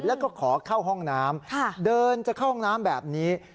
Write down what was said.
แล้วก็ขอเข้าห้องน้ำเดินจะเข้าห้องน้ำแบบนี้